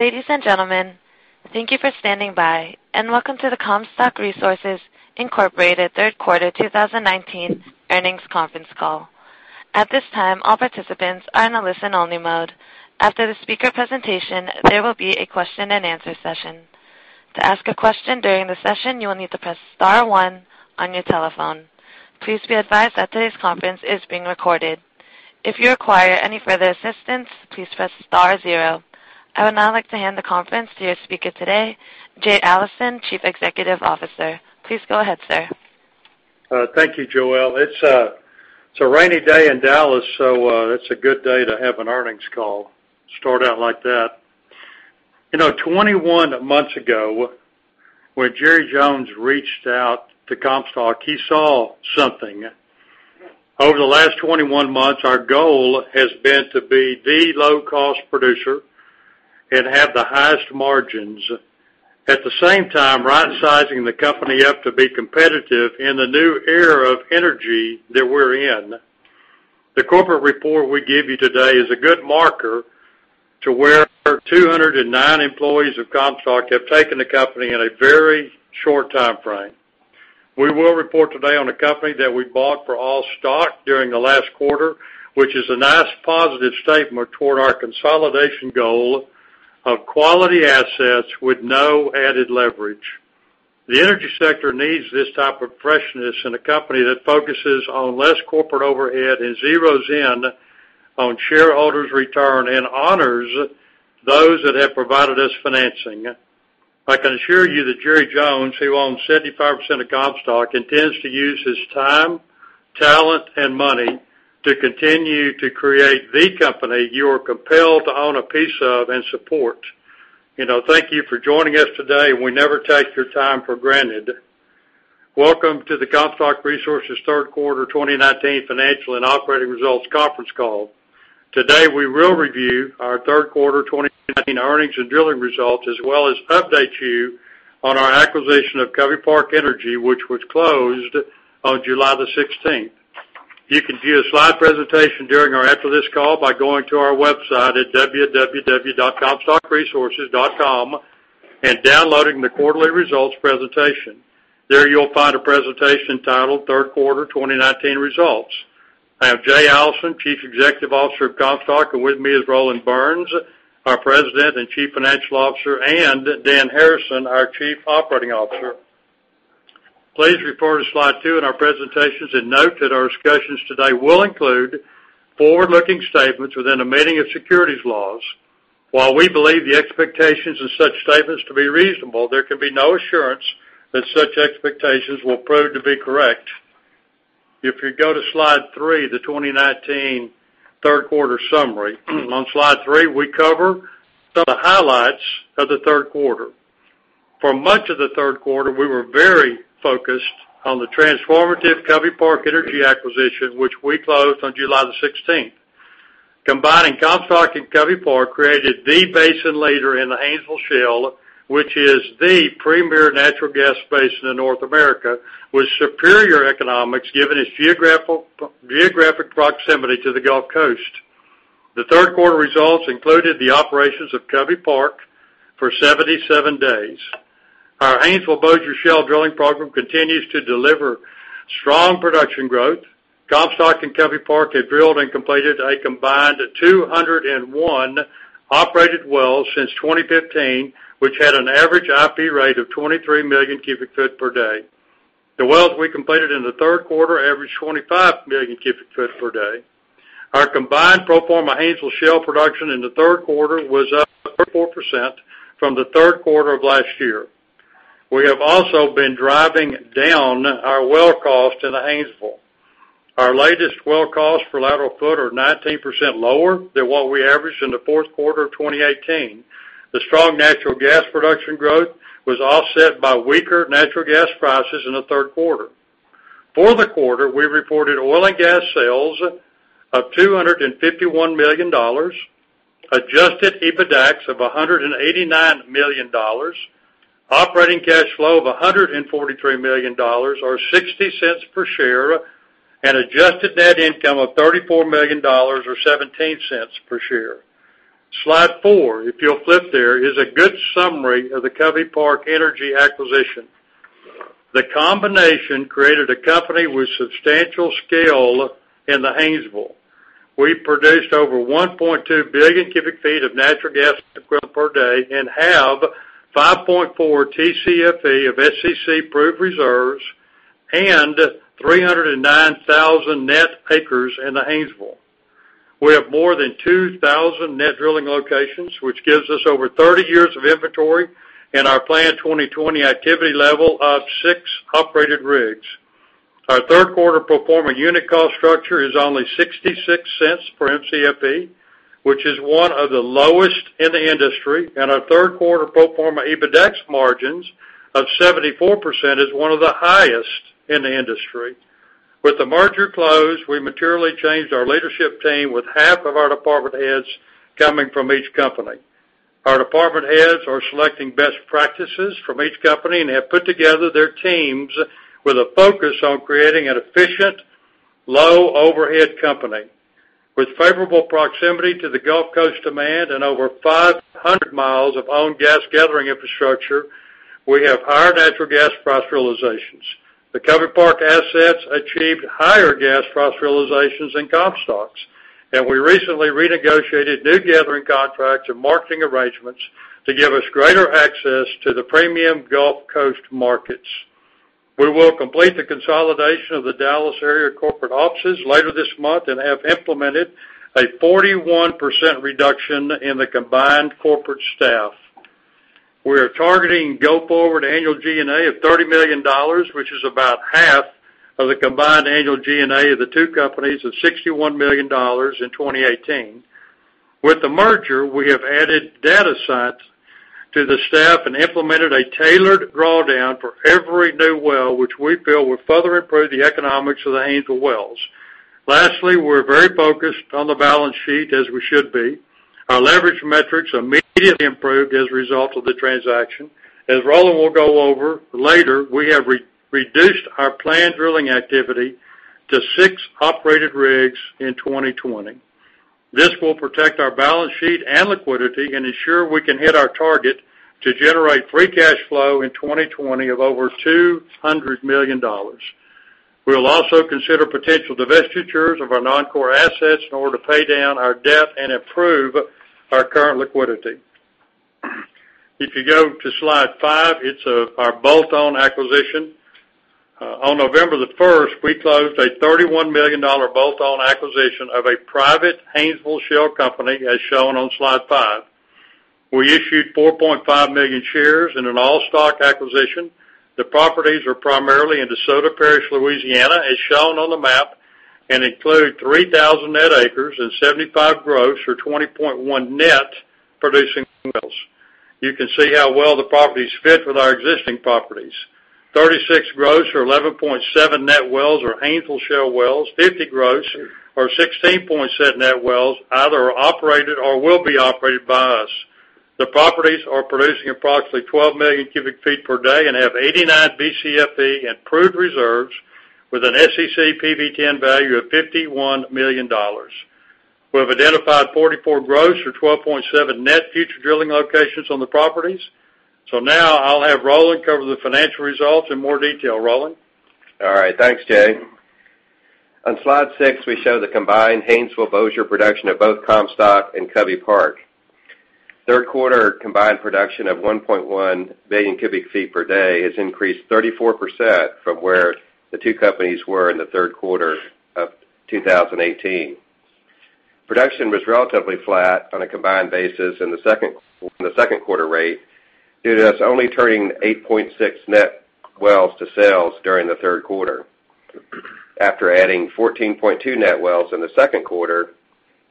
Ladies and gentlemen, thank you for standing by, and welcome to the Comstock Resources Incorporated third quarter 2019 earnings conference call. At this time, all participants are in a listen-only mode. After the speaker presentation, there will be a question and answer session. To ask a question during the session, you will need to press star one on your telephone. Please be advised that today's conference is being recorded. If you require any further assistance, please press star zero. I would now like to hand the conference to your speaker today, Jay Allison, Chief Executive Officer. Please go ahead, sir. Thank you, Joelle. It's a rainy day in Dallas, so it's a good day to have an earnings call. Start out like that. 21 months ago, when Jerry Jones reached out to Comstock, he saw something. Over the last 21 months, our goal has been to be the low-cost producer and have the highest margins. At the same time, right-sizing the company up to be competitive in the new era of energy that we're in. The corporate report we give you today is a good marker to where 209 employees of Comstock have taken the company in a very short timeframe. We will report today on a company that we bought for all stock during the last quarter, which is a nice positive statement toward our consolidation goal of quality assets with no added leverage. The energy sector needs this type of freshness in a company that focuses on less corporate overhead and zeroes in on shareholders' return and honors those that have provided us financing. I can assure you that Jerry Jones, who owns 75% of Comstock, intends to use his time, talent, and money to continue to create the company you are compelled to own a piece of and support. Thank you for joining us today. We never take your time for granted. Welcome to the Comstock Resources third quarter 2019 financial and operating results conference call. Today, we will review our third quarter 2019 earnings and drilling results, as well as update you on our acquisition of Covey Park Energy, which was closed on July 16th. You can view a slide presentation during or after this call by going to our website at www.comstockresources.com and downloading the quarterly results presentation. There you'll find a presentation titled Third Quarter 2019 Results. I am Jay Allison, Chief Executive Officer of Comstock, and with me is Roland Burns, our President and Chief Financial Officer, and Dan Harrison, our Chief Operating Officer. Please refer to Slide 2 in our presentations and note that our discussions today will include forward-looking statements within the meaning of securities laws. While we believe the expectations of such statements to be reasonable, there can be no assurance that such expectations will prove to be correct. If you go to Slide 3, the 2019 third quarter summary. On Slide 3, we cover some of the highlights of the third quarter. For much of the third quarter, we were very focused on the transformative Covey Park Energy acquisition, which we closed on July the 16th. Combining Comstock and Covey Park created the basin leader in the Haynesville Shale, which is the premier natural gas basin in North America with superior economics given its geographic proximity to the Gulf Coast. The third quarter results included the operations of Covey Park for 77 days. Our Haynesville Bossier Shale drilling program continues to deliver strong production growth. Comstock and Covey Park have drilled and completed a combined 201 operated wells since 2015, which had an average IP rate of 23 million cubic feet per day. The wells we completed in the third quarter averaged 25 million cubic feet per day. Our combined pro forma Haynesville Shale production in the third quarter was up 34% from the third quarter of last year. We have also been driving down our well cost in the Haynesville. Our latest well costs per lateral foot are 19% lower than what we averaged in the fourth quarter of 2018. The strong natural gas production growth was offset by weaker natural gas prices in the third quarter. For the quarter, we reported oil and gas sales of $251 million, adjusted EBITDAX of $189 million, operating cash flow of $143 million or $0.60 per share, and adjusted net income of $34 million or $0.17 per share. Slide 4, if you'll flip there, is a good summary of the Covey Park Energy acquisition. The combination created a company with substantial scale in the Haynesville. We produced over 1.2 billion cubic feet of natural gas equivalent per day and have 5.4 TCFE of SEC-proved reserves and 309,000 net acres in the Haynesville. We have more than 2,000 net drilling locations, which gives us over 30 years of inventory and our planned 2020 activity level of six operated rigs. Our third quarter pro forma unit cost structure is only $0.66 per Mcfe, which is one of the lowest in the industry, and our third quarter pro forma EBITDAX margins of 74% is one of the highest in the industry. With the merger closed, we materially changed our leadership team with half of our department heads coming from each company. Our department heads are selecting best practices from each company and have put together their teams with a focus on creating an efficient low overhead company. With favorable proximity to the Gulf Coast demand and over 500 miles of owned gas gathering infrastructure, we have higher natural gas price realizations. The Covey Park assets achieved higher gas price realizations than Comstock's, and we recently renegotiated new gathering contracts and marketing arrangements to give us greater access to the premium Gulf Coast markets. We will complete the consolidation of the Dallas area corporate offices later this month and have implemented a 41% reduction in the combined corporate staff. We are targeting go-forward annual G&A of $30 million, which is about half of the combined annual G&A of the two companies of $61 million in 2018. With the merger, we have added data scientists to the staff and implemented a tailored drawdown for every new well, which we feel will further improve the economics of the Haynesville wells. Lastly, we're very focused on the balance sheet, as we should be. Our leverage metrics immediately improved as a result of the transaction. As Roland will go over later, we have reduced our planned drilling activity to six operated rigs in 2020. This will protect our balance sheet and liquidity and ensure we can hit our target to generate free cash flow in 2020 of over $200 million. We'll also consider potential divestitures of our non-core assets in order to pay down our debt and improve our current liquidity. If you go to slide five, it's our bolt-on acquisition. On November the 1st, we closed a $31 million bolt-on acquisition of a private Haynesville shale company, as shown on slide five. We issued 4.5 million shares in an all-stock acquisition. The properties are primarily in DeSoto Parish, Louisiana, as shown on the map, and include 3,000 net acres and 75 gross, or 20.1 net producing wells. You can see how well the properties fit with our existing properties. 36 gross, or 11.7 net wells are Haynesville shale wells. 50 gross or 16.7 net wells either are operated or will be operated by us. The properties are producing approximately 12 million cubic feet per day and have 89 Bcfe in proved reserves, with an SEC PV-10 value of $51 million. We have identified 44 gross, or 12.7 net future drilling locations on the properties. Now I'll have Roland cover the financial results in more detail. Roland? All right. Thanks, Jay. On slide six, we show the combined Haynesville Bossier production of both Comstock and Covey Park. Third quarter combined production of 1.1 million cubic feet per day has increased 34% from where the two companies were in the third quarter of 2018. Production was relatively flat on a combined basis in the second quarter rate due to us only turning 8.6 net wells to sales during the third quarter, after adding 14.2 net wells in the second quarter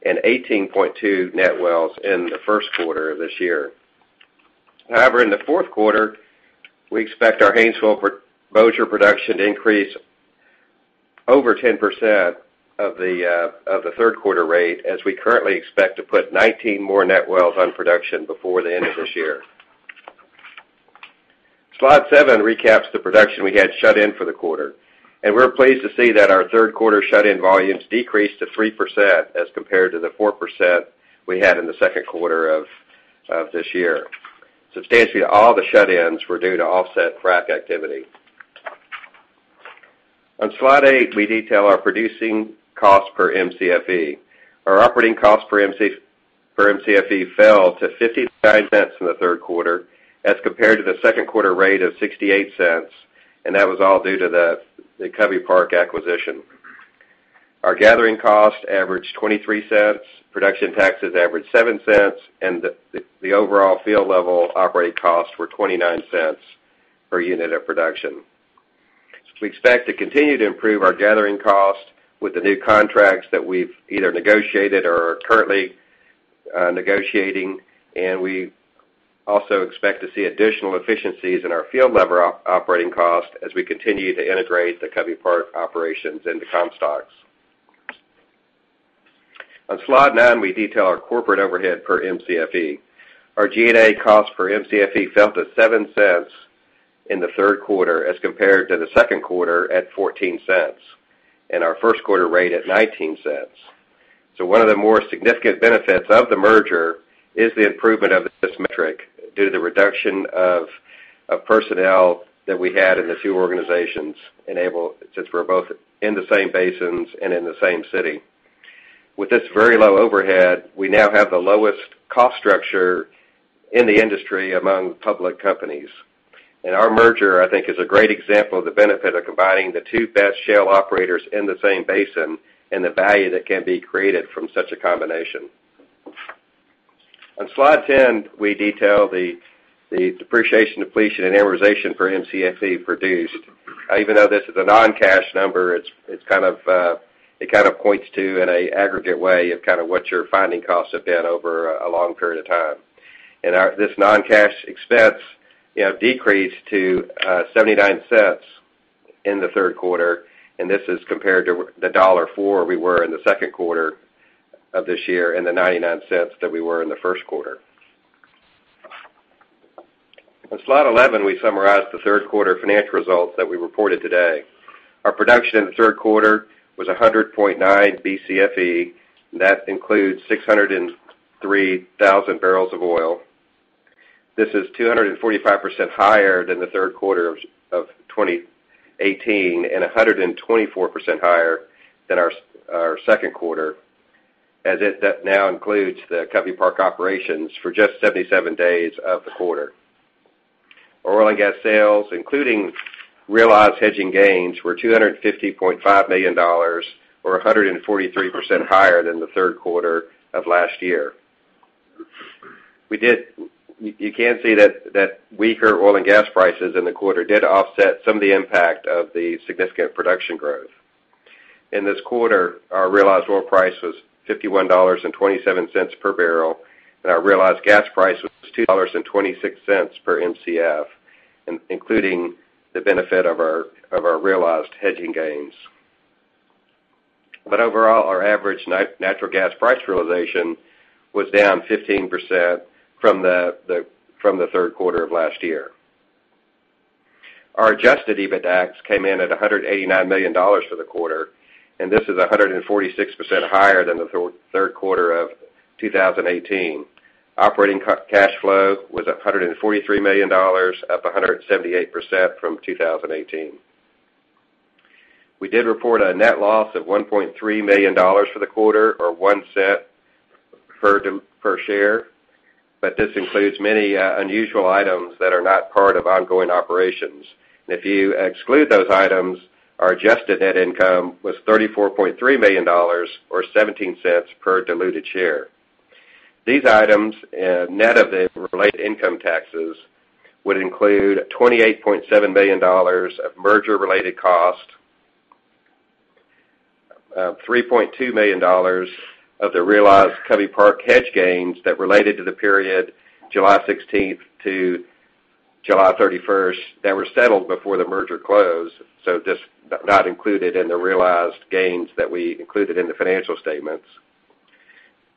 and 18.2 net wells in the first quarter of this year. In the fourth quarter, we expect our Haynesville Bossier production to increase over 10% of the third quarter rate, as we currently expect to put 19 more net wells on production before the end of this year. Slide seven recaps the production we had shut in for the quarter, and we're pleased to see that our third quarter shut-in volumes decreased to 3% as compared to the 4% we had in the second quarter of this year. Substantially all the shut-ins were due to offset frac activity. On slide eight, we detail our producing cost per Mcfe. Our operating cost for Mcfe fell to $0.59 in the third quarter as compared to the second quarter rate of $0.68, and that was all due to the Covey Park acquisition. Our gathering cost averaged $0.23, production taxes averaged $0.07, and the overall field level operating costs were $0.29 per unit of production. We expect to continue to improve our gathering cost with the new contracts that we've either negotiated or are currently negotiating, and we also expect to see additional efficiencies in our field level operating cost as we continue to integrate the Covey Park operations into Comstock's. On slide nine, we detail our corporate overhead per Mcfe. Our G&A cost per Mcfe fell to $0.07 in the third quarter as compared to the second quarter at $0.14, and our first quarter rate at $0.19. One of the more significant benefits of the merger is the improvement of this metric due to the reduction of personnel that we had in the two organizations, since we're both in the same basins and in the same city. With this very low overhead, we now have the lowest cost structure in the industry among public companies. Our merger, I think, is a great example of the benefit of combining the two best shale operators in the same basin and the value that can be created from such a combination. On slide 10, we detail the depreciation, depletion, and amortization per Mcfe produced. Even though this is a non-cash number, it points to, in an aggregate way, what your finding costs have been over a long period of time. This non-cash expense decreased to $0.79 in the third quarter, and this is compared to the $1.04 we were in the second quarter of this year, and the $0.99 that we were in the first quarter. On slide 11, we summarized the third quarter financial results that we reported today. Our production in the third quarter was 100.9 Bcfe, and that includes 603,000 barrels of oil. This is 245% higher than the third quarter of 2018, and 124% higher than our second quarter, that now includes the Covey Park operations for just 77 days of the quarter. Our oil and gas sales, including realized hedging gains, were $250.5 million, or 143% higher than the third quarter of last year. You can see that weaker oil and gas prices in the quarter did offset some of the impact of the significant production growth. In this quarter, our realized oil price was $51.27 per barrel, and our realized gas price was $2.26 per Mcf, including the benefit of our realized hedging gains. Overall, our average natural gas price realization was down 15% from the third quarter of last year. Our adjusted EBITDAX came in at $189 million for the quarter, this is 146% higher than the third quarter of 2018. Operating cash flow was $143 million, up 178% from 2018. We did report a net loss of $1.3 million for the quarter, or $0.01 per share, but this includes many unusual items that are not part of ongoing operations. If you exclude those items, our adjusted net income was $34.3 million, or $0.17 per diluted share. These items, net of the related income taxes, would include $28.7 million of merger-related costs, $3.2 million of the realized Covey Park hedge gains that related to the period July 16th to July 31st, that were settled before the merger close, so just not included in the realized gains that we included in the financial statements.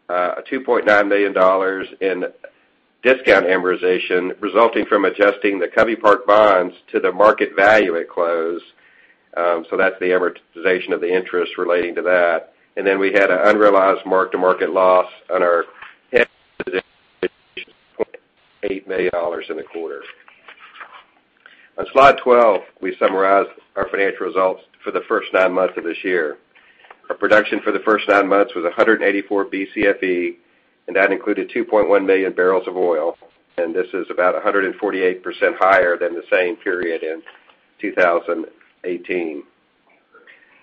$2.9 million in discount amortization resulting from adjusting the Covey Park bonds to the market value at close. That's the amortization of the interest relating to that. We had an unrealized mark-to-market loss on our hedge $28 million in the quarter. On slide 12, we summarize our financial results for the first nine months of this year. Our production for the first nine months was 184 Bcfe, that included 2.1 million barrels of oil, this is about 148% higher than the same period in 2018.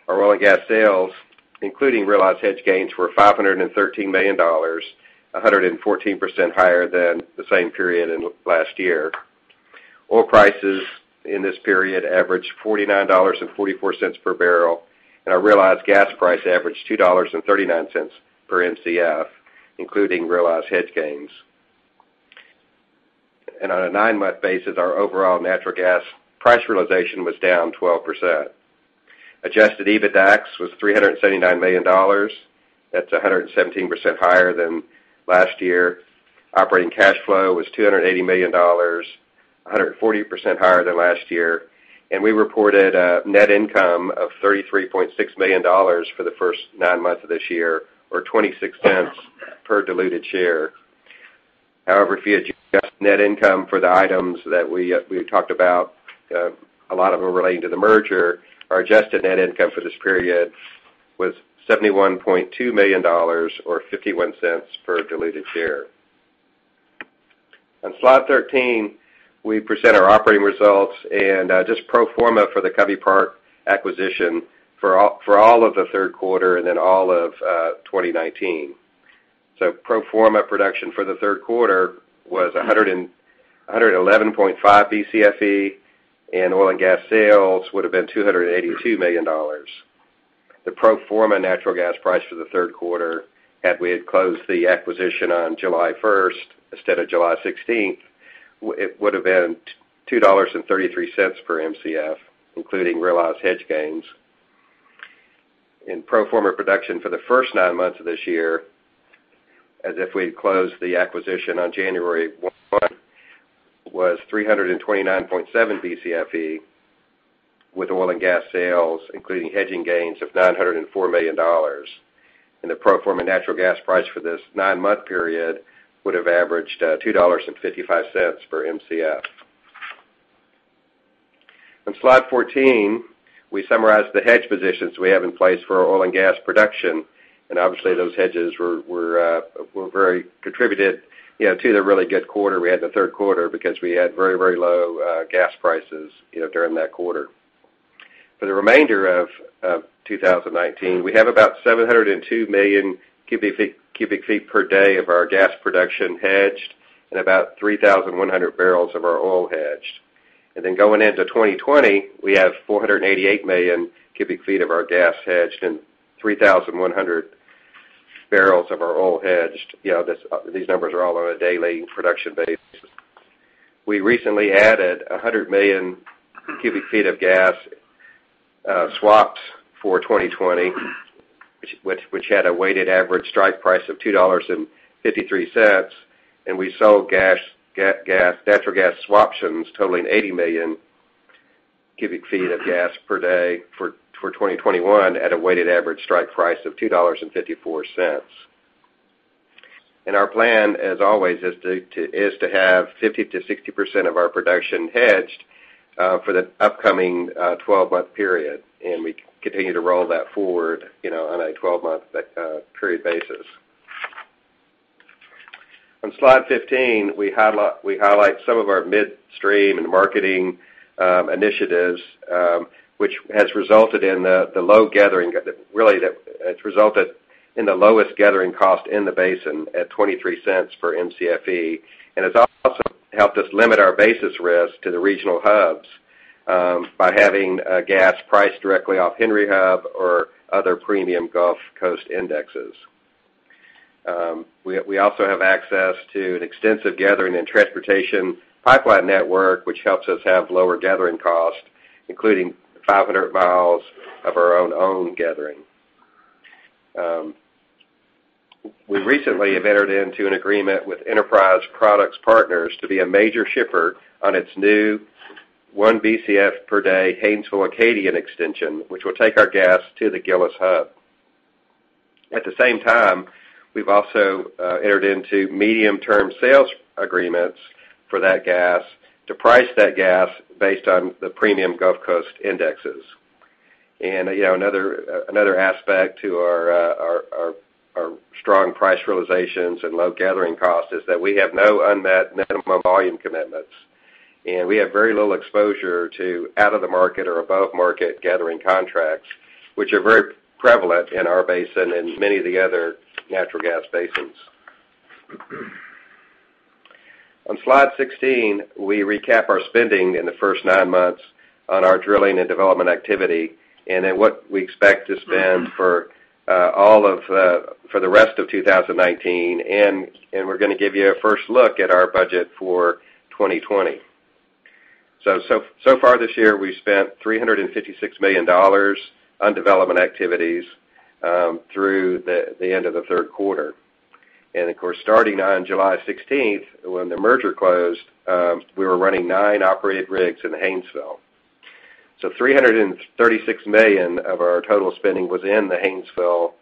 Our oil and gas sales, including realized hedge gains, were $513 million, 114% higher than the same period in last year. Oil prices in this period averaged $49.44 per barrel, our realized gas price averaged $2.39 per Mcf, including realized hedge gains. On a nine-month basis, our overall natural gas price realization was down 12%. Adjusted EBITDAX was $379 million. That's 117% higher than last year. Operating cash flow was $280 million, 140% higher than last year. We reported a net income of $33.6 million for the first nine months of this year or $0.26 per diluted share. However, if you adjust net income for the items that we talked about, a lot of them relating to the merger, our adjusted net income for this period was $71.2 million or $0.51 per diluted share. On slide 13, we present our operating results and just pro forma for the Covey Park acquisition for all of the third quarter and then all of 2019. Pro forma production for the third quarter was 111.5 Bcfe, and oil and gas sales would've been $282 million. The pro forma natural gas price for the third quarter, had we closed the acquisition on July 1st instead of July 16th, it would've been $2.33 per Mcf, including realized hedge gains. In pro forma production for the first nine months of this year, as if we'd closed the acquisition on January 1st, was 329.7 Bcfe with oil and gas sales, including hedging gains of $904 million. The pro forma natural gas price for this nine-month period would've averaged $2.55 per Mcf. On slide 14, we summarize the hedge positions we have in place for our oil and gas production, and obviously, those hedges were very contributed, you know, to the really good quarter we had in the third quarter because we had very low gas prices, you know, during that quarter. For the remainder of 2019, we have about 702 million cubic feet per day of our gas production hedged and about 3,100 barrels of our oil hedged. Going into 2020, we have 488 million cubic feet of our gas hedged and 3,100 barrels of our oil hedged. You know, these numbers are all on a daily production basis. We recently added 100 million cubic feet of gas swaps for 2020, which had a weighted average strike price of $2.53. We sold natural gas swaptions totaling 80 million cubic feet of gas per day for 2021 at a weighted average strike price of $2.54. Our plan, as always, is to have 50% to 60% of our production hedged for the upcoming 12-month period. We continue to roll that forward on a 12-month period basis. On slide 15, we highlight some of our midstream and marketing initiatives, which has resulted in the lowest gathering cost in the basin at $0.23 per Mcfe, and has also helped us limit our basis risk to the regional hubs by having gas priced directly off Henry Hub or other premium Gulf Coast indexes. We also have access to an extensive gathering and transportation pipeline network, which helps us have lower gathering costs, including 500 miles of our own gathering. We recently have entered into an agreement with Enterprise Products Partners to be a major shipper on its new 1 Bcf per day Acadian Haynesville Extension, which will take our gas to the Gillis Hub. At the same time, we've also entered into medium-term sales agreements for that gas to price that gas based on the premium Gulf Coast indexes. Another aspect to our strong price realizations and low gathering costs is that we have no unmet minimum volume commitments. We have very little exposure to out of the market or above-market gathering contracts, which are very prevalent in our basin and many of the other natural gas basins. On slide 16, we recap our spending in the first nine months on our drilling and development activity, then what we expect to spend for the rest of 2019. We're going to give you a first look at our budget for 2020. Far this year, we've spent $356 million on development activities through the end of the third quarter. Of course, starting on July 16th, when the merger closed, we were running nine operated rigs in the Haynesville. $336 million of our total spending was in the Haynesville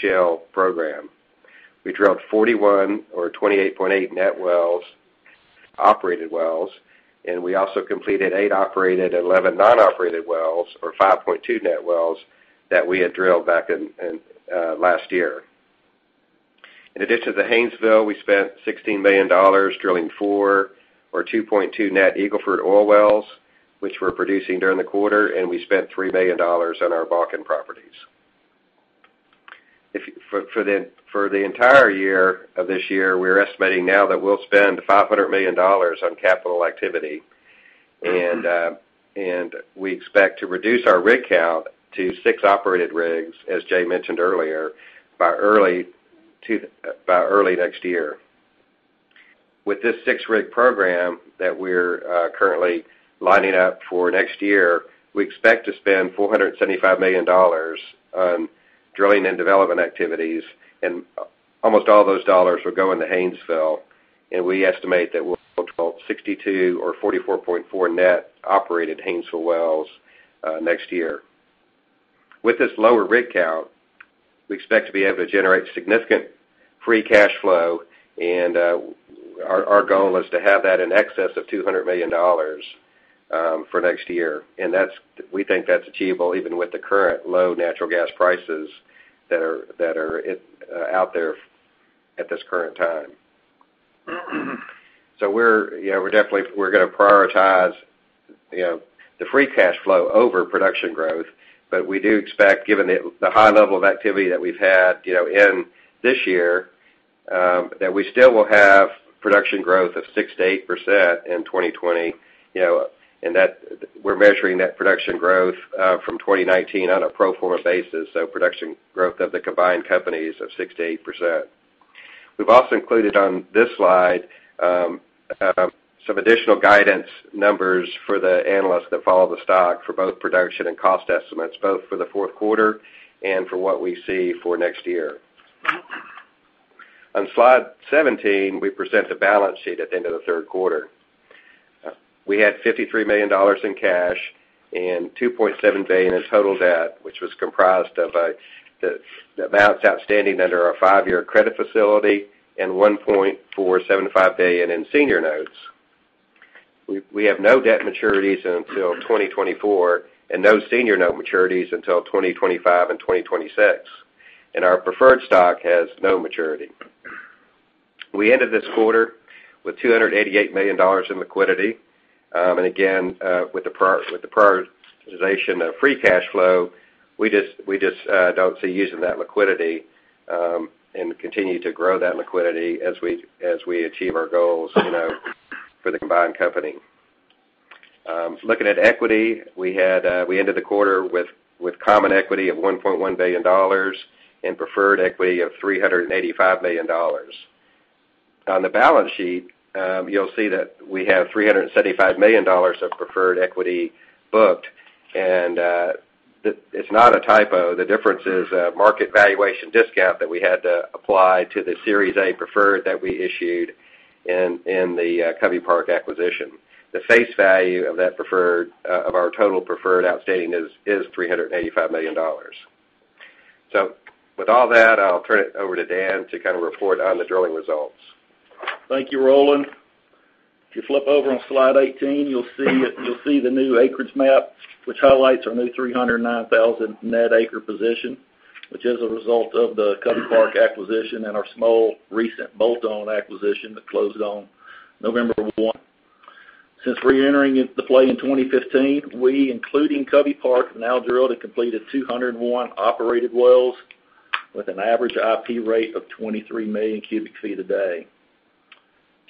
Shale program. We drilled 41 or 28.8 net wells, operated wells, and we also completed eight operated and 11 non-operated wells, or 5.2 net wells, that we had drilled back last year. In addition to Haynesville, we spent $16 million drilling four or 2.2 net Eagle Ford oil wells, which were producing during the quarter, and we spent $3 million on our Bakken properties. For the entire year of this year, we're estimating now that we'll spend $500 million on capital activity. We expect to reduce our rig count to six operated rigs, as Jay mentioned earlier, by early next year. With this six-rig program that we're currently lining up for next year, we expect to spend $475 million on drilling and development activities, and almost all those dollars will go into Haynesville. We estimate that we'll 62 or 44.4 net operated Haynesville wells next year. With this lower rig count, we expect to be able to generate significant free cash flow, and our goal is to have that in excess of $200 million for next year. We think that's achievable even with the current low natural gas prices that are out there at this current time. We're going to prioritize the free cash flow over production growth. We do expect, given the high level of activity that we've had in this year, that we still will have production growth of 6% to 8% in 2020. We're measuring that production growth from 2019 on a pro forma basis. Production growth of the combined companies of 6% to 8%. We've also included on this slide some additional guidance numbers for the analysts that follow the stock for both production and cost estimates, both for the fourth quarter and for what we see for next year. On slide 17, we present the balance sheet at the end of the third quarter. We had $53 million in cash and $2.7 billion in total debt, which was comprised of the amounts outstanding under our five-year credit facility and $1.475 billion in senior notes. We have no debt maturities until 2024 and no senior note maturities until 2025 and 2026. Our preferred stock has no maturity. We ended this quarter with $288 million in liquidity. Again, with the prioritization of free cash flow, we just don't see using that liquidity and continue to grow that liquidity as we achieve our goals for the combined company. Looking at equity, we ended the quarter with common equity of $1.1 billion and preferred equity of $385 million. On the balance sheet, you'll see that we have $375 million of preferred equity booked, and it's not a typo. The difference is a market valuation discount that we had to apply to the Series A preferred that we issued in the Covey Park acquisition. The face value of our total preferred outstanding is $385 million. With all that, I'll turn it over to Dan to report on the drilling results. Thank you, Roland. If you flip over on slide 18, you'll see the new acreage map, which highlights our new 309,000 net acre position, which is a result of the Covey Park acquisition and our small recent bolt-on acquisition that closed on November 1. Since reentering the play in 2015, we, including Covey Park, have now drilled and completed 201 operated wells with an average IP rate of 23 million cubic feet a day.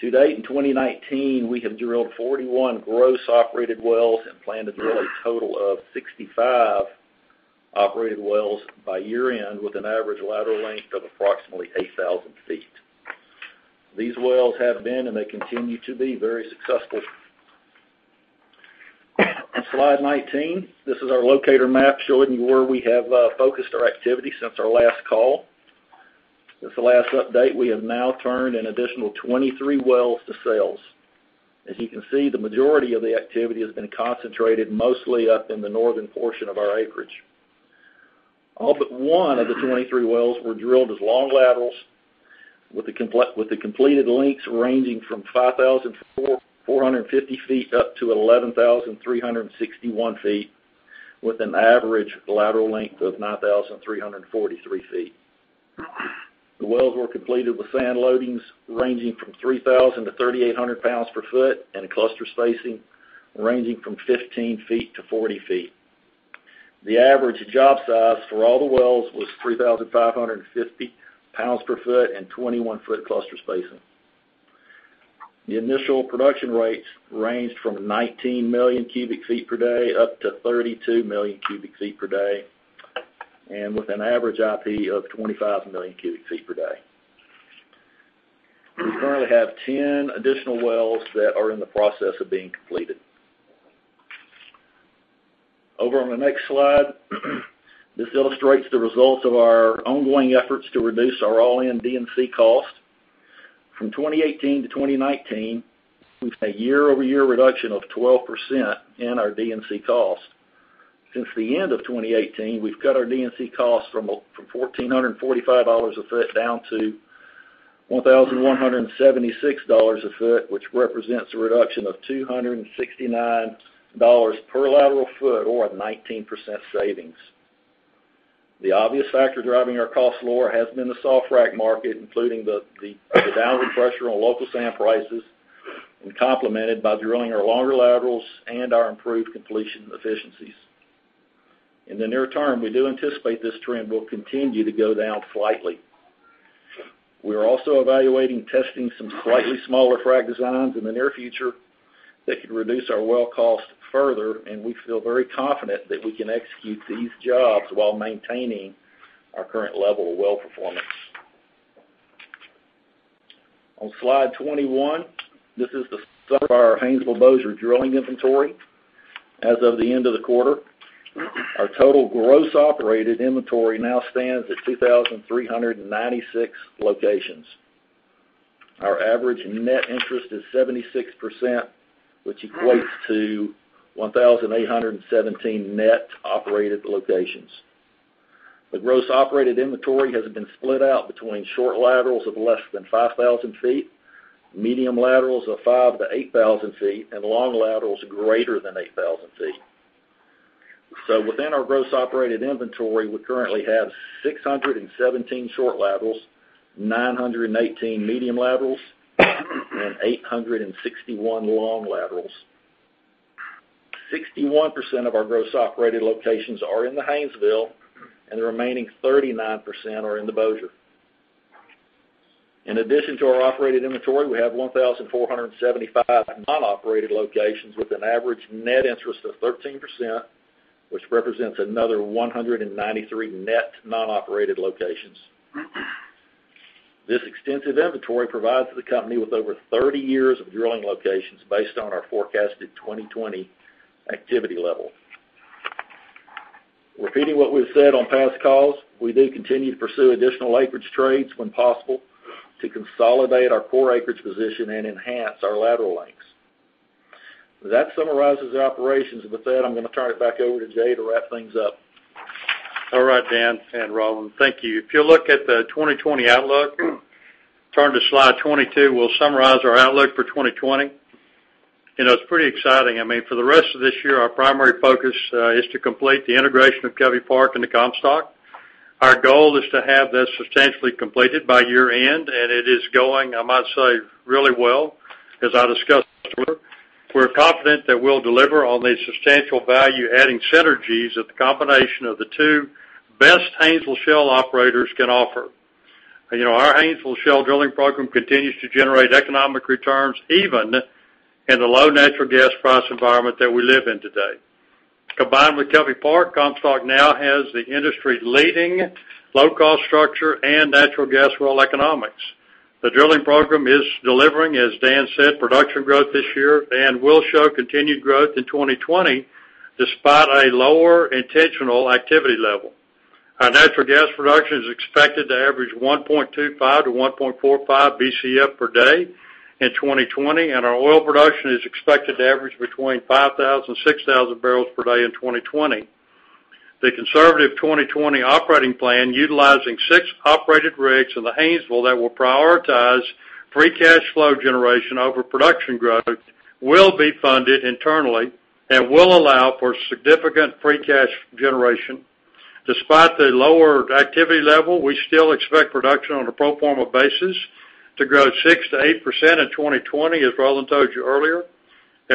To date, in 2019, we have drilled 41 gross operated wells and plan to drill a total of 65 operated wells by year-end with an average lateral length of approximately 8,000 feet. These wells have been, and they continue to be, very successful. On slide 19, this is our locator map showing you where we have focused our activity since our last call. Since the last update, we have now turned an additional 23 wells to sales. As you can see, the majority of the activity has been concentrated mostly up in the northern portion of our acreage. All but one of the 23 wells were drilled as long laterals, with the completed lengths ranging from 5,450 feet up to 11,361 feet, with an average lateral length of 9,343 feet. The wells were completed with sand loadings ranging from 3,000-3,800 pounds per foot, and a cluster spacing ranging from 15-40 feet. The average job size for all the wells was 3,550 pounds per foot and 21-foot cluster spacing. The initial production rates ranged from 19 million cubic feet per day up to 32 million cubic feet per day, and with an average IP of 25 million cubic feet per day. We currently have 10 additional wells that are in the process of being completed. Over on the next slide, this illustrates the results of our ongoing efforts to reduce our all-in D&C cost. From 2018 to 2019, we've had a year-over-year reduction of 12% in our D&C cost. Since the end of 2018, we've cut our D&C costs from $1,445 a foot down to $1,176 a foot, which represents a reduction of $269 per lateral foot or a 19% savings. The obvious factor driving our costs lower has been the soft frac market, including the downward pressure on local sand prices, and complemented by drilling our longer laterals and our improved completion efficiencies. In the near term, we do anticipate this trend will continue to go down slightly. We are also evaluating testing some slightly smaller frac designs in the near future that could reduce our well cost further. We feel very confident that we can execute these jobs while maintaining our current level of well performance. On slide 21, this is the summary of our Haynesville-Bossier drilling inventory as of the end of the quarter. Our total gross operated inventory now stands at 2,396 locations. Our average net interest is 76%, which equates to 1,817 net operated locations. The gross operated inventory has been split out between short laterals of less than 5,000 feet, medium laterals of 5,000-8,000 feet, and long laterals greater than 8,000 feet. Within our gross operated inventory, we currently have 617 short laterals, 918 medium laterals, and 861 long laterals. 61% of our gross operated locations are in the Haynesville. The remaining 39% are in the Bossier. In addition to our operated inventory, we have 1,475 non-operated locations with an average net interest of 13%, which represents another 193 net non-operated locations. This extensive inventory provides the company with over 30 years of drilling locations based on our forecasted 2020 activity level. Repeating what we've said on past calls, we do continue to pursue additional acreage trades when possible to consolidate our core acreage position and enhance our lateral lengths. That summarizes the operations, and with that, I'm going to turn it back over to Jay to wrap things up. All right, Dan and Roland. Thank you. If you look at the 2020 outlook, turn to slide 22, we'll summarize our outlook for 2020. It's pretty exciting. For the rest of this year, our primary focus is to complete the integration of Covey Park into Comstock. Our goal is to have this substantially completed by year-end, and it is going, I must say, really well, as I discussed earlier. We're confident that we'll deliver on the substantial value-adding synergies that the combination of the two best Haynesville shale operators can offer. Our Haynesville shale drilling program continues to generate economic returns even in the low natural gas price environment that we live in today. Combined with Covey Park, Comstock now has the industry-leading low-cost structure and natural gas well economics. The drilling program is delivering, as Dan said, production growth this year and will show continued growth in 2020 despite a lower intentional activity level. Our natural gas production is expected to average 1.25-1.45 Bcf per day in 2020, and our oil production is expected to average between 5,000-6,000 barrels per day in 2020. The conservative 2020 operating plan utilizing six operated rigs in the Haynesville that will prioritize free cash flow generation over production growth will be funded internally and will allow for significant free cash generation. Despite the lower activity level, we still expect production on a pro forma basis to grow 6%-8% in 2020, as Roland told you earlier.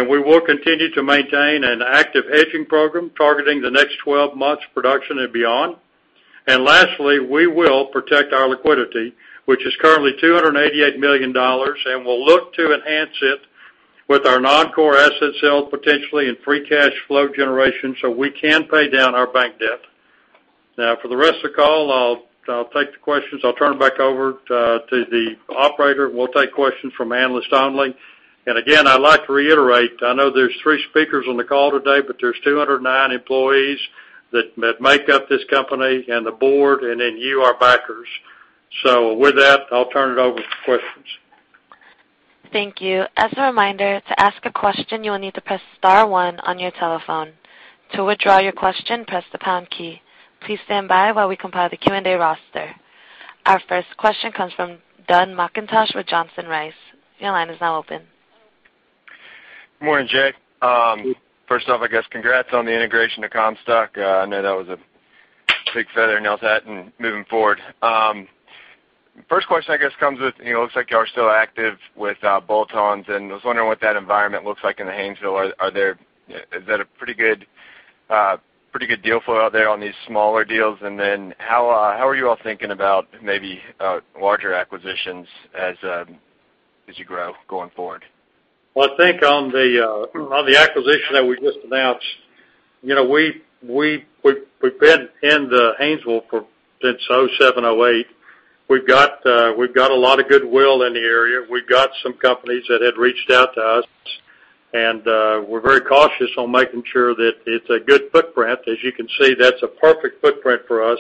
We will continue to maintain an active hedging program targeting the next 12 months production and beyond. Lastly, we will protect our liquidity, which is currently $288 million, and we'll look to enhance it with our non-core asset sale potentially in free cash flow generation so we can pay down our bank debt. For the rest of the call, I'll take the questions. I'll turn it back over to the operator, and we'll take questions from analysts only. Again, I'd like to reiterate, I know there's three speakers on the call today, but there's 209 employees that make up this company and the board, and then you, our backers. With that, I'll turn it over for questions. Thank you. As a reminder, to ask a question, you will need to press star one on your telephone. To withdraw your question, press the pound key. Please stand by while we compile the Q&A roster. Our first question comes from Dunn McIntosh with Johnson Rice. Your line is now open. Good morning, Jay. Good. First off, I guess congrats on the integration of Comstock. I know that was a big feather in y'all's hat and moving forward. First question, I guess comes with, it looks like y'all are still active with bolt-ons. I was wondering what that environment looks like in the Haynesville. Is that a pretty good flow out there on these smaller deals? How are you all thinking about maybe larger acquisitions as you grow going forward? Well, I think on the acquisition that we just announced, we've been in the Haynesville since 2007, 2008. We've got a lot of goodwill in the area. We've got some companies that had reached out to us, and we're very cautious on making sure that it's a good footprint. As you can see, that's a perfect footprint for us,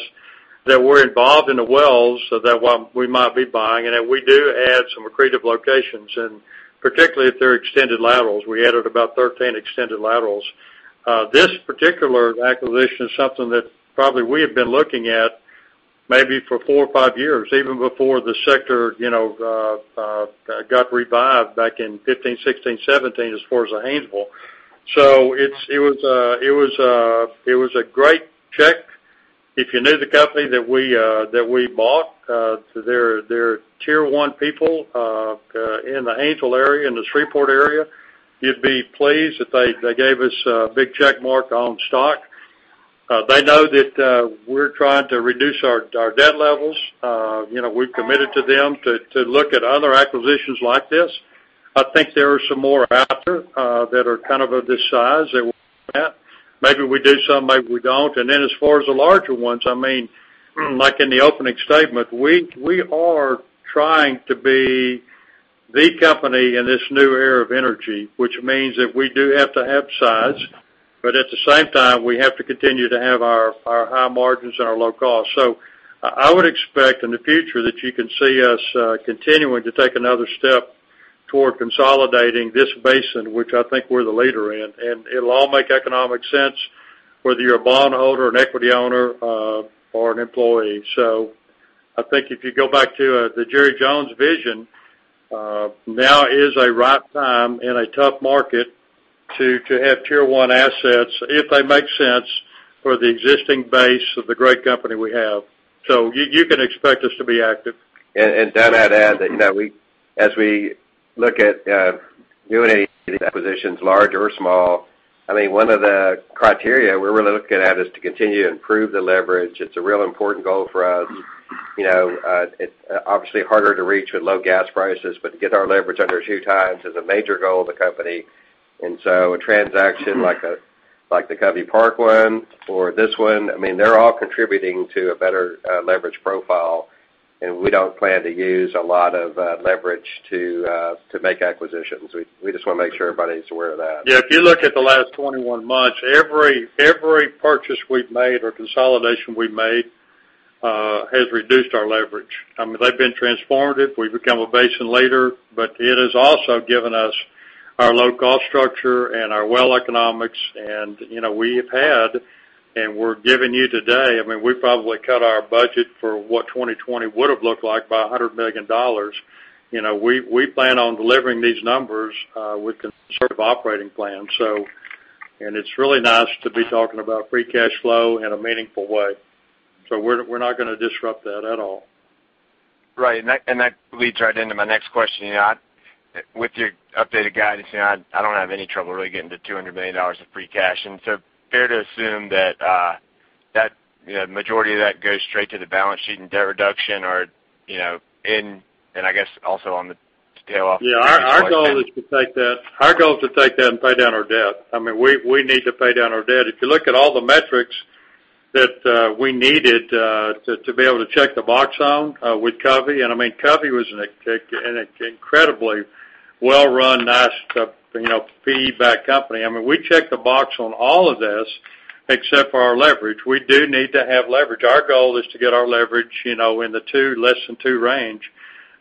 that we're involved in the wells, so that one we might be buying, and that we do add some accretive locations, and particularly if they're extended laterals. We added about 13 extended laterals. This particular acquisition is something that probably we have been looking at maybe for four or five years, even before the sector got revived back in 2015, 2016, 2017, as far as the Haynesville. It was a great check. If you knew the company that we bought, they're tier one people in the Haynesville area, in the Shreveport area. You'd be pleased that they gave us a big check mark on stock. They know that we're trying to reduce our debt levels. We've committed to them to look at other acquisitions like this. I think there are some more out there that are of this size that maybe we do some, maybe we don't. As far as the larger ones, like in the opening statement, we are trying to be the company in this new era of energy, which means that we do have to have size, but at the same time, we have to continue to have our high margins and our low cost. I would expect in the future that you can see us continuing to take another step toward consolidating this basin, which I think we're the leader in. It'll all make economic sense whether you're a bondholder, an equity owner, or an employee. I think if you go back to the Jerry Jones vision, now is a ripe time in a tough market to have tier 1 assets if they make sense for the existing base of the great company we have. You can expect us to be active. Dunn, I'd add that as we look at doing any acquisitions, large or small, one of the criteria we're really looking at is to continue to improve the leverage. It's a real important goal for us. It's obviously harder to reach with low gas prices, to get our leverage under two times is a major goal of the company. A transaction like the Covey Park one or this one, they're all contributing to a better leverage profile, and we don't plan to use a lot of leverage to make acquisitions. We just want to make sure everybody's aware of that. Yeah. If you look at the last 21 months, every purchase we've made or consolidation we've made has reduced our leverage. They've been transformative. We've become a basin leader, but it has also given us our low cost structure and our well economics, and we have had, and we're giving you today, we probably cut our budget for what 2020 would've looked like by $100 million. We plan on delivering these numbers with conservative operating plans, and it's really nice to be talking about free cash flow in a meaningful way. We're not going to disrupt that at all. Right. That leads right into my next question. With your updated guidance, I don't have any trouble really getting to $200 million of free cash. Fair to assume that majority of that goes straight to the balance sheet and debt reduction. Yeah. Our goal is to take that and pay down our debt. We need to pay down our debt. If you look at all the metrics that we needed to be able to check the box on with Covey was an incredibly well-run, nice, fee-back company. We checked the box on all of this except for our leverage. We do need to have leverage. Our goal is to get our leverage, in the less than two range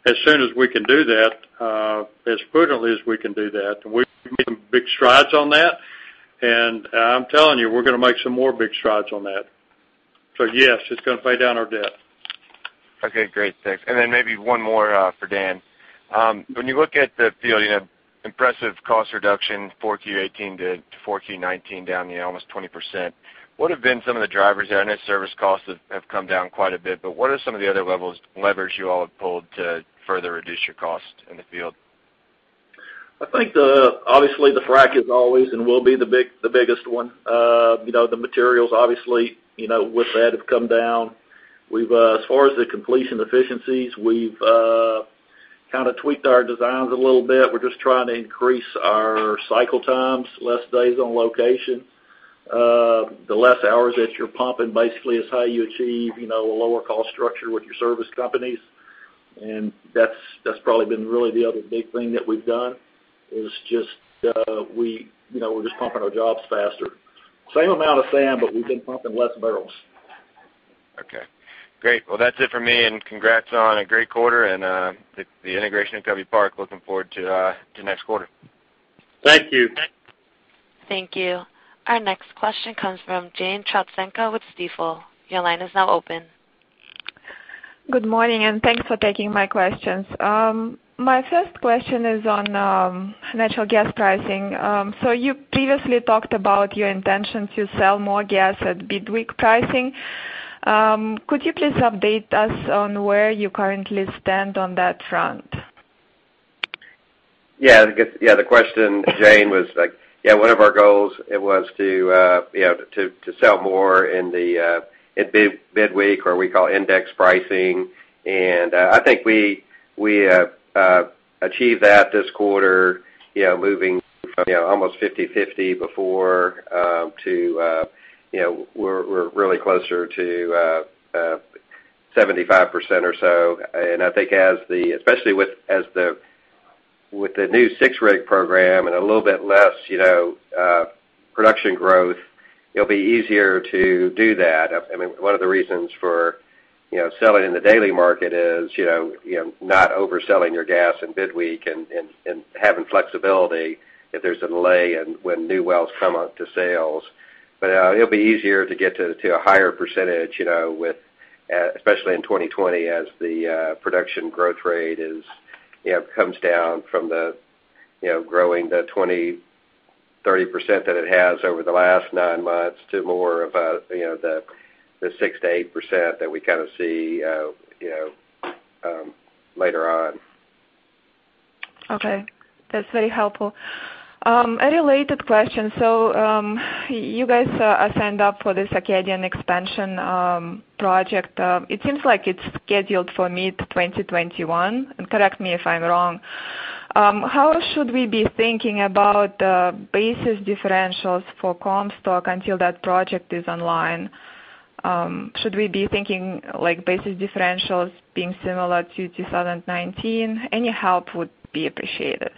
as soon as we can do that, as prudently as we can do that. We've made some big strides on that. I'm telling you, we're going to make some more big strides on that. Yes, it's going to pay down our debt. Okay, great. Thanks. Maybe one more for Dan. When you look at the field, impressive cost reduction, 4Q18 to 4Q19 down almost 20%. What have been some of the drivers there? I know service costs have come down quite a bit, but what are some of the other levers you all have pulled to further reduce your cost in the field? I think obviously the frack is always and will be the biggest one. The materials obviously, with that have come down. As far as the completion efficiencies, we've tweaked our designs a little bit. We're just trying to increase our cycle times, less days on location. The less hours that you're pumping basically is how you achieve a lower cost structure with your service companies. That's probably been really the other big thing that we've done, is just we're just pumping our jobs faster. Same amount of sand, we've been pumping less barrels. Okay, great. Well, that's it for me. Congrats on a great quarter and the integration of Covey Park. Looking forward to next quarter. Thank you. Thank you. Our next question comes from Jane Trotsenko with Stifel. Your line is now open. Good morning, and thanks for taking my questions. My first question is on natural gas pricing. You previously talked about your intentions to sell more gas at bid week pricing. Could you please update us on where you currently stand on that front? Yeah, the question, Jane, was like, one of our goals, it was to sell more in bid week, or we call index pricing. I think we achieved that this quarter, moving from almost 50/50 before, to we're really closer to 75% or so. I think especially with the new six-rig program and a little bit less production growth, it'll be easier to do that. One of the reasons for selling in the daily market is not overselling your gas in bid week and having flexibility if there's a delay in when new wells come up to sales. It'll be easier to get to a higher percentage, especially in 2020 as the production growth rate comes down from growing the 20%, 30% that it has over the last nine months to more of the 6%-8% that we see later on. Okay. That's very helpful. A related question. You guys signed up for this Acadian expansion project. It seems like it's scheduled for mid-2021, and correct me if I'm wrong. How should we be thinking about basis differentials for Comstock until that project is online? Should we be thinking basis differentials being similar to 2019? Any help would be appreciated.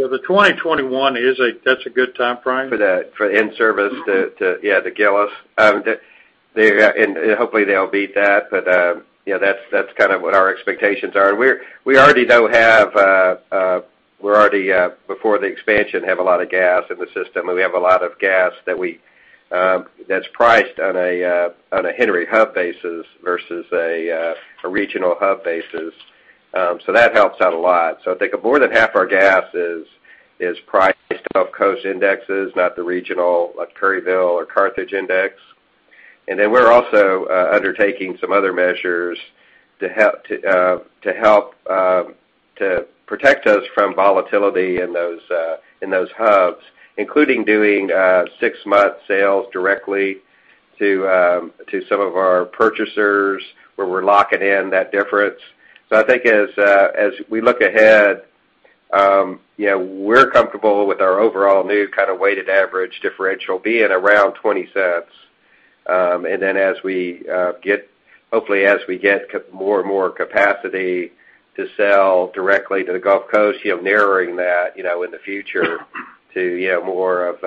Yeah. The 2021, that's a good time frame. For the in-service to Gillis. Hopefully they'll beat that. That's what our expectations are. We already, before the expansion, have a lot of gas in the system, and we have a lot of gas that's priced on a Henry Hub basis versus a regional hub basis. That helps out a lot. I think more than half our gas is priced off coast indexes, not the regional like Perryville or Carthage index. We're also undertaking some other measures to help to protect us from volatility in those hubs, including doing six-month sales directly to some of our purchasers where we're locking in that difference. I think as we look ahead, we're comfortable with our overall new weighted average differential being around $0.20. Hopefully as we get more and more capacity to sell directly to the Gulf Coast, narrowing that in the future to more of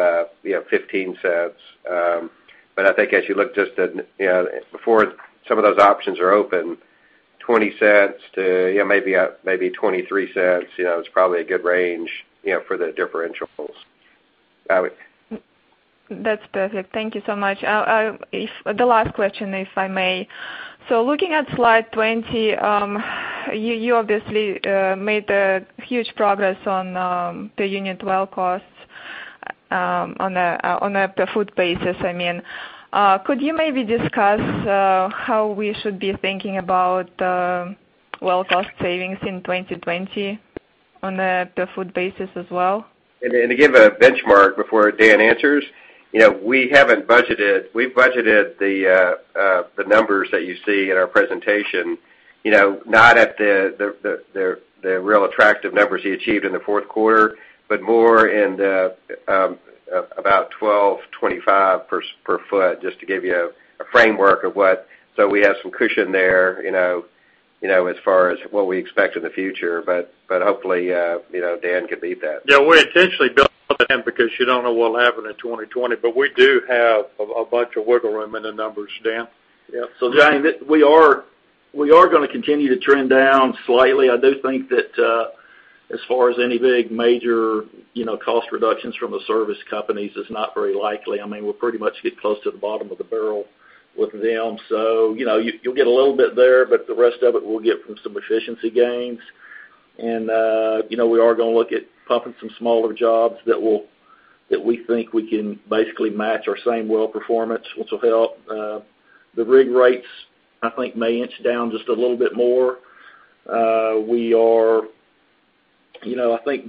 $0.15. I think as you look just before some of those options are open, $0.20-$0.23, is probably a good range for the differentials. That's perfect. Thank you so much. The last question, if I may. Looking at slide 20, you obviously made huge progress on per unit well costs on a per foot basis, I mean. Could you maybe discuss how we should be thinking about well cost savings in 2020? On the per foot basis as well? To give a benchmark before Dan answers, we've budgeted the numbers that you see in our presentation, not at the real attractive numbers he achieved in the fourth quarter, but more in the about $12.25 per foot, just to give you a framework. We have some cushion there, as far as what we expect in the future. Hopefully, Dan can beat that. Yeah. We intentionally built that in because you don't know what will happen in 2020, but we do have a bunch of wiggle room in the numbers, Dan? Yeah. Jane, we are going to continue to trend down slightly. I do think that, as far as any big major cost reductions from the service companies is not very likely. We'll pretty much get close to the bottom of the barrel with them. You'll get a little bit there, but the rest of it we'll get from some efficiency gains. We are going to look at pumping some smaller jobs that we think we can basically match our same well performance, which will help. The rig rates, I think may inch down just a little bit more. I think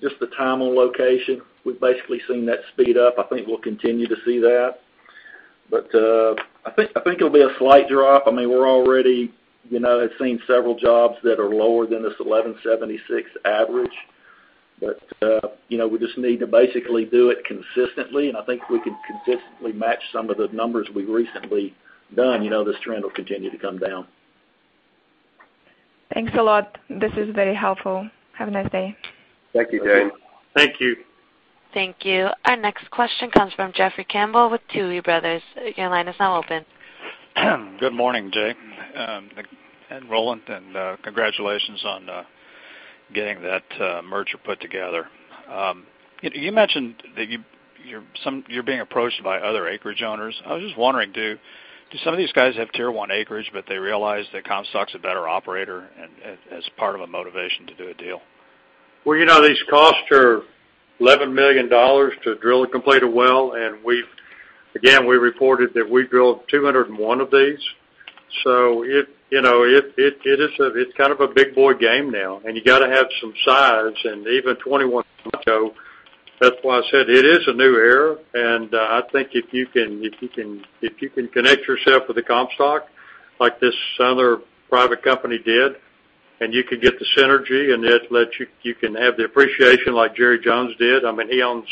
just the time on location, we've basically seen that speed up. I think we'll continue to see that. I think it'll be a slight drop. We've already seen several jobs that are lower than this 11.76 average, but we just need to basically do it consistently, and I think if we can consistently match some of the numbers we've recently done, this trend will continue to come down. Thanks a lot. This is very helpful. Have a nice day. Thank you, Jane. Thank you. Thank you. Our next question comes from Jeffrey Campbell with Tuohy Brothers. Your line is now open. Good morning, Jay, and Roland, and congratulations on getting that merger put together. You mentioned that you're being approached by other acreage owners. I was just wondering, do some of these guys have Tier 1 acreage, but they realize that Comstock's a better operator as part of a motivation to do a deal? Well, these costs are $11 million to drill a completed well, and again, we reported that we drilled 201 of these. It's a big boy game now, and you got to have some size and even 21 that's why I said it is a new era. I think if you can connect yourself with the Comstock, like this other private company did, and you could get the synergy, and you can have the appreciation like Jerry Jones did. He owns,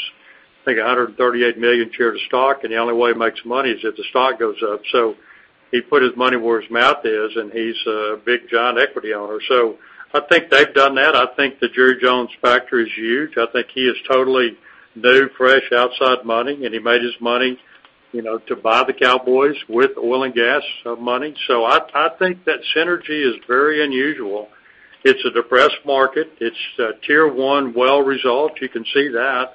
I think, 138 million share of the stock, and the only way he makes money is if the stock goes up. He put his money where his mouth is, and he's a big John Equity owner. I think they've done that. I think the Jerry Jones factor is huge. I think he is totally new, fresh outside money, and he made his money to buy the Cowboys with oil and gas money. I think that synergy is very unusual. It's a depressed market. It's a Tier 1 well result. You can see that.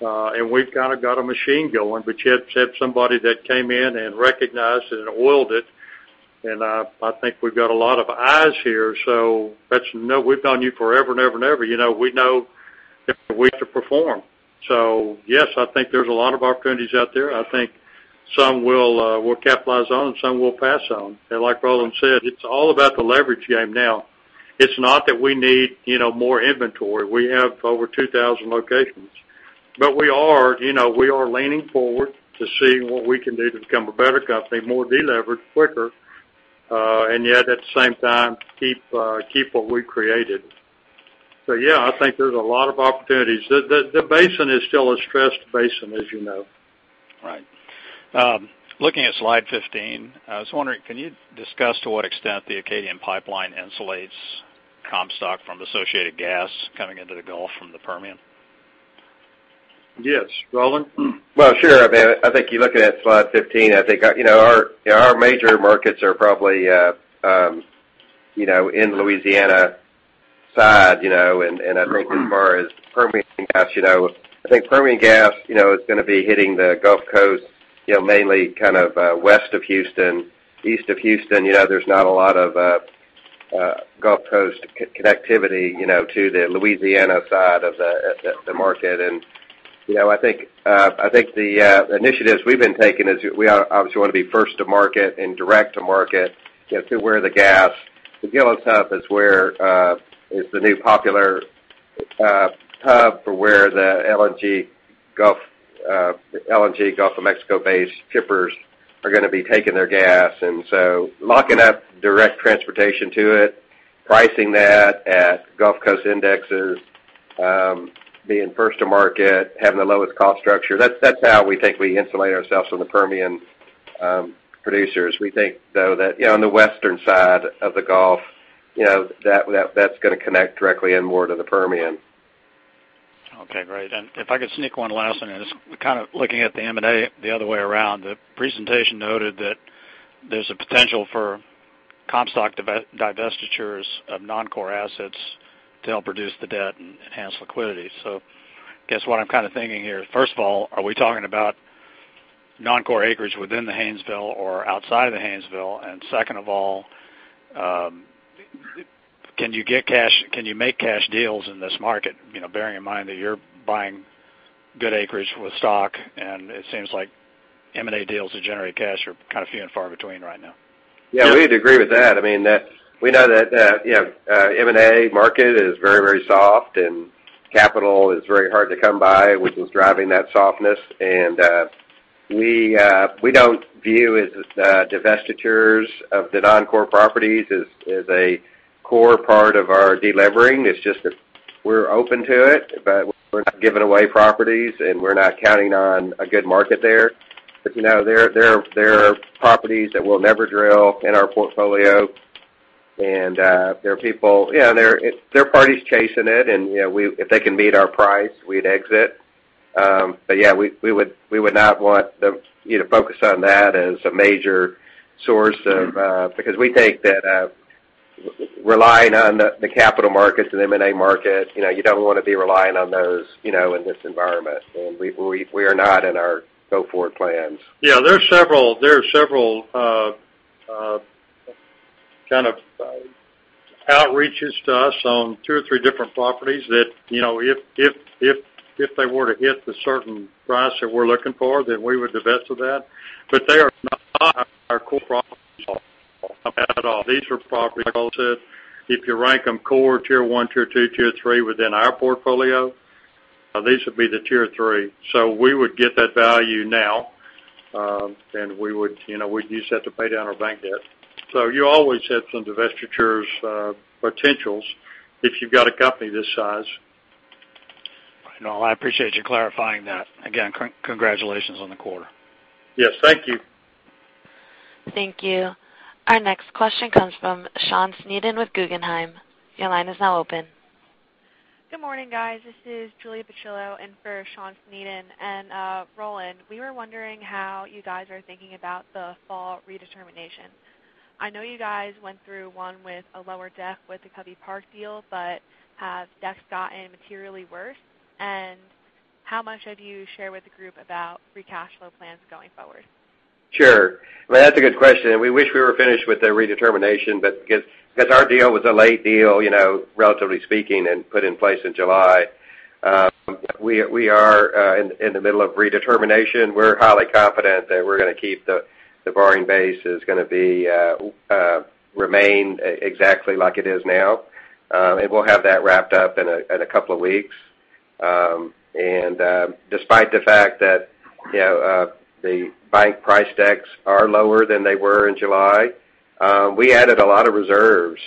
We've got a machine going, but you had somebody that came in and recognized it and oiled it, and I think we've got a lot of eyes here. We've known you forever and ever and ever. We know we have to perform. Yes, I think there's a lot of opportunities out there. I think some we'll capitalize on and some we'll pass on. Like Roland said, it's all about the leverage game now. It's not that we need more inventory. We have over 2,000 locations. We are leaning forward to see what we can do to become a better company, more deleveraged quicker. Yet at the same time, keep what we created. Yeah, I think there's a lot of opportunities. The basin is still a stressed basin, as you know. Right. Looking at slide 15, I was wondering, can you discuss to what extent the Acadian pipeline insulates Comstock from associated gas coming into the Gulf from the Permian? Yes. Roland? Well, sure. I think you're looking at slide 15. I think our major markets are probably in Louisiana side, and I think as far as Permian gas, I think Permian gas is going to be hitting the Gulf Coast, mainly west of Houston. East of Houston, there's not a lot of Gulf Coast connectivity to the Louisiana side of the market. I think the initiatives we've been taking is we obviously want to be first to market and direct to market to where the gas. The Gillis Hub is the new popular hub for where the LNG Gulf of Mexico base shippers are going to be taking their gas. Locking up direct transportation to it, pricing that at Gulf Coast indexes, being first to market, having the lowest cost structure, that's how we think we insulate ourselves from the Permian producers. We think, though, that on the western side of the Gulf, that's going to connect directly and more to the Permian. Okay, great. If I could sneak one last one in. Just looking at the M&A the other way around, the presentation noted that there's a potential for Comstock divestitures of non-core assets to help reduce the debt and enhance liquidity. Guess what I'm thinking here. First of all, are we talking about non-core acreage within the Haynesville or outside of the Haynesville? Second of all, can you make cash deals in this market, bearing in mind that you're buying good acreage with stock, and it seems like M&A deals that generate cash are few and far between right now. Yeah, we'd agree with that. We know that M&A market is very soft and capital is very hard to come by, which is driving that softness. We don't view divestitures of the non-core properties as a core part of our delevering. It's just that we're open to it, but we're not giving away properties, and we're not counting on a good market there. There are properties that we'll never drill in our portfolio, and there are parties chasing it. If they can meet our price, we'd exit. Yeah, we would not want you to focus on that as a major source because we think that relying on the capital markets and M&A market, you don't want to be relying on those, in this environment. We are not in our go-forward plans. Yeah, there are several kind of outreaches to us on two or three different properties that, if they were to hit the certain price that we're looking for, then we would divest of that. They are not our core properties at all. These are properties, like I said, if you rank them core, tier 1, tier 2, tier 3 within our portfolio, these would be the tier 3. We would get that value now, and we'd use that to pay down our bank debt. You always have some divestiture potentials if you've got a company this size. No, I appreciate you clarifying that. Again, congratulations on the quarter. Yes. Thank you. Thank you. Our next question comes from Sean Sneeden with Guggenheim. Your line is now open. Good morning, guys. This is Julia Pucillo in for Sean Sneeden. Roland, we were wondering how you guys are thinking about the fall redetermination. I know you guys went through one with a lower deck with the Covey Park deal, but has deck gotten materially worse, and how much have you shared with the group about free cash flow plans going forward? Sure. That's a good question. We wish we were finished with the redetermination, but because our deal was a late deal, relatively speaking, and put in place in July, we are in the middle of redetermination. We're highly confident that we're going to keep the borrowing base, is going to remain exactly like it is now. We'll have that wrapped up in a couple of weeks. Despite the fact that the bank price decks are lower than they were in July, we added a lot of reserves.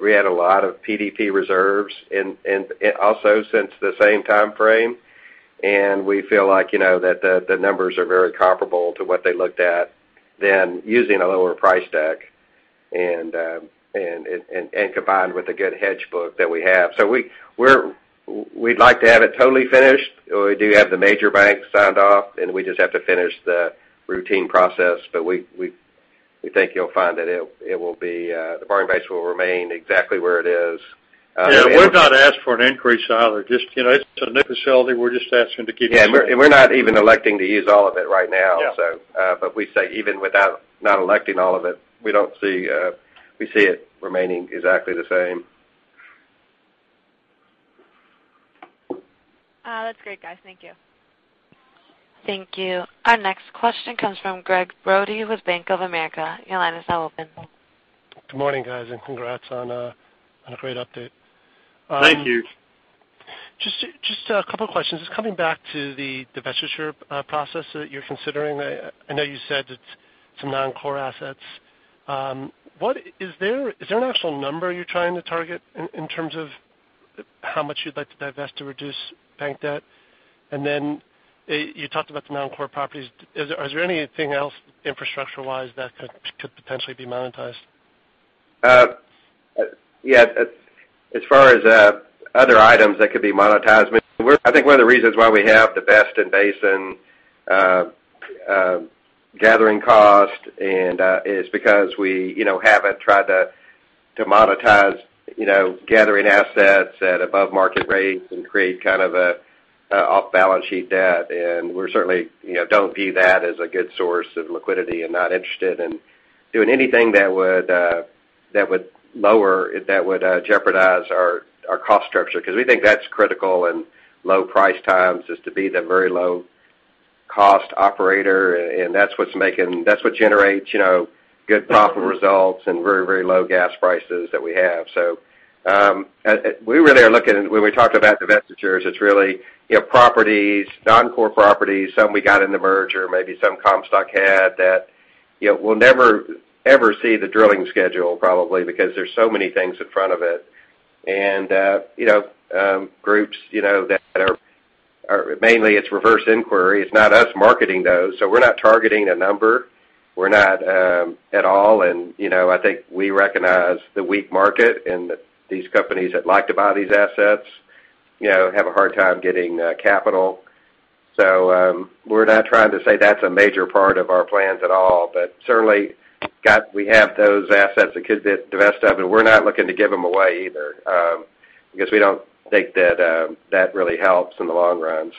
We had a lot of PDP reserves, and also since the same time frame, and we feel like the numbers are very comparable to what they looked at then using a lower price deck and combined with a good hedge book that we have. We'd like to have it totally finished. We do have the major banks signed off, and we just have to finish the routine process. We think you'll find that the borrowing base will remain exactly where it is. We've not asked for an increase either. It's a new facility. We're just asking to keep it. Yeah, we're not even electing to use all of it right now. Yeah. We say even without not electing all of it, we see it remaining exactly the same. That's great, guys. Thank you. Thank you. Our next question comes from Gregg Brody with Bank of America. Your line is now open. Good morning, guys, and congrats on a great update. Thank you. Just a couple of questions. Just coming back to the divestiture process that you're considering, I know you said it's some non-core assets. Is there an actual number you're trying to target in terms of how much you'd like to divest to reduce bank debt? You talked about the non-core properties. Is there anything else infrastructure-wise that could potentially be monetized? Yeah. As far as other items that could be monetized, I think one of the reasons why we have the best in basin gathering cost and is because we haven't tried to monetize gathering assets at above market rates and create an off-balance sheet debt. We certainly don't view that as a good source of liquidity and not interested in doing anything that would jeopardize our cost structure. We think that's critical in low price times is to be the very low cost operator, and that's what generates good profit results and very low gas prices that we have. We really are looking, when we talk about divestitures, it's really non-core properties. Some we got in the merger, maybe some Comstock had that will never, ever see the drilling schedule, probably because there's so many things in front of it. Groups that are mainly it's reverse inquiry. It's not us marketing those. We're not targeting a number. We're not at all, and I think we recognize the weak market and these companies that like to buy these assets have a hard time getting capital. We're not trying to say that's a major part of our plans at all, but certainly, we have those assets that could divest of, and we're not looking to give them away either, because we don't think that really helps in the long run.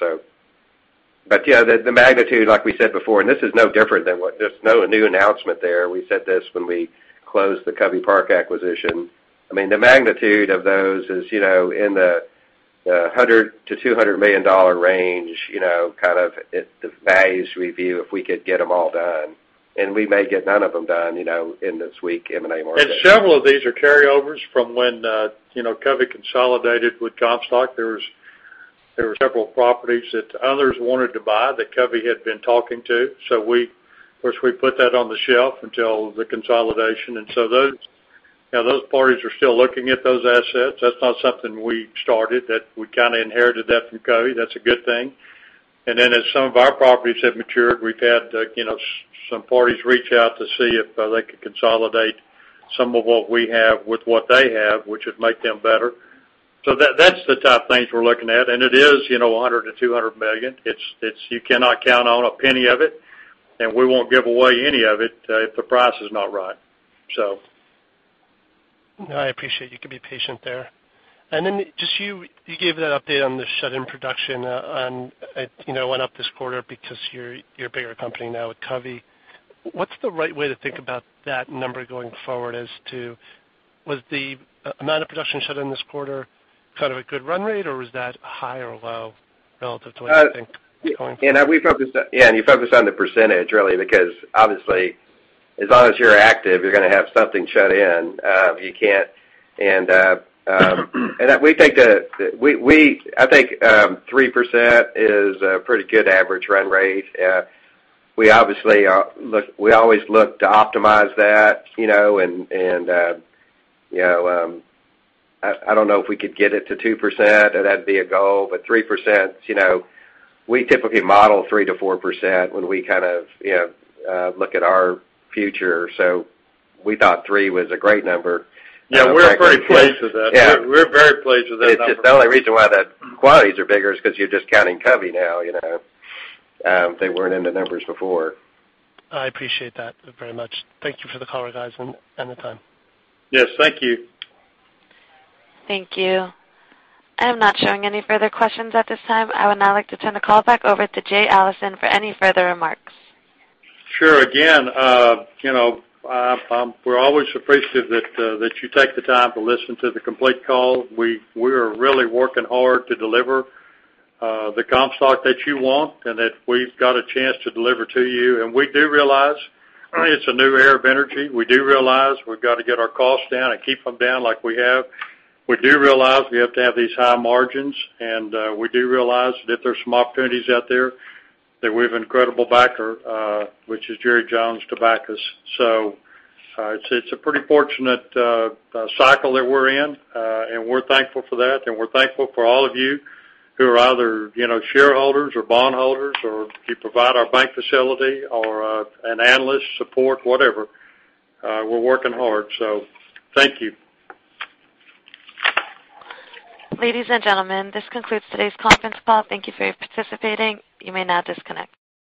Yeah, the magnitude, like we said before, and this is no different than there's no new announcement there. We said this when we closed the Covey Park acquisition. The magnitude of those is in the $100 million-$200 million range, kind of at the base review, if we could get them all done, and we may get none of them done in this weak M&A market. Several of these are carryovers from when Covey consolidated with Comstock. There were several properties that others wanted to buy that Covey had been talking to. Of course, we put that on the shelf until the consolidation. Those parties are still looking at those assets. That's not something we started, that we kind of inherited that from Covey. That's a good thing. As some of our properties have matured, we've had some parties reach out to see if they could consolidate some of what we have with what they have, which would make them better. That's the type of things we're looking at. It is $100 million-$200 million. You cannot count on a penny of it, and we won't give away any of it if the price is not right. No, I appreciate you can be patient there. You gave that update on the shut-in production, it went up this quarter because you're a bigger company now with Covey. What's the right way to think about that number going forward, was the amount of production shut-in this quarter kind of a good run rate, or was that high or low relative to what you think it's going to be? Yeah, you focus on the percentage, really, because obviously, as long as you're active, you're going to have something shut in. You can't. I think 3% is a pretty good average run rate. We always look to optimize that, and I don't know if we could get it to 2%, that'd be a goal, but 3%, we typically model 3%-4% when we look at our future. We thought three was a great number. Yeah, we're very pleased with that. Yeah. We're very pleased with that number. The only reason why the qualities are bigger is because you're just counting Covey now. They weren't in the numbers before. I appreciate that very much. Thank you for the color, guys, and the time. Yes. Thank you. Thank you. I am not showing any further questions at this time. I would now like to turn the call back over to Jay Allison for any further remarks. Sure. Again, we're always appreciative that you take the time to listen to the complete call. We are really working hard to deliver the Comstock that you want, and that we've got a chance to deliver to you. We do realize it's a new era of energy. We do realize we've got to get our costs down and keep them down like we have. We do realize we have to have these high margins, and we do realize that there's some opportunities out there that we have an incredible backer, which is Jerry Jones, to back us. It's a pretty fortunate cycle that we're in, and we're thankful for that, and we're thankful for all of you who are either shareholders or bondholders, or you provide our bank facility or an analyst support, whatever. We're working hard. Thank you. Ladies and gentlemen, this concludes today's conference call. Thank you for participating. You may now disconnect.